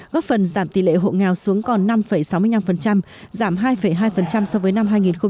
góp phần giảm tỷ lệ hộ nghèo xuống còn năm sáu mươi năm giảm hai hai so với năm hai nghìn một mươi bảy